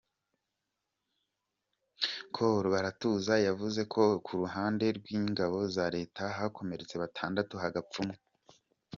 Col Baratuza yavuze ko ku ruhande rw’ingabo za Leta hakomeretse batandatu hagapfa umwe.